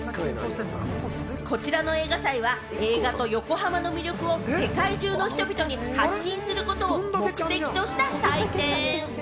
こちらの映画祭は映画と横浜の魅力を世界中の人々に発信することを目的とした祭典。